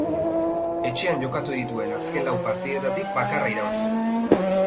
Etxean jokatu dituen azken lau partidetatik bakarra irabazi du.